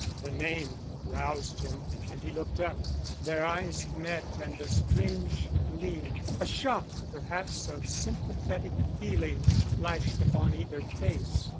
The name roused him and he looked up. Their eyes met and a strange gleam a shock, perhaps, of sympathetic feeling, flashed upon either face.